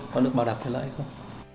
có được bảo đảm theo lợi hay không